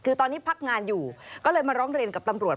คือตอนนี้พักงานอยู่ก็เลยมาร้องเรียนกับตำรวจ